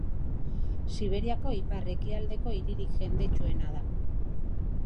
Siberiako ipar-ekialdeko hiririk jendetsuena da.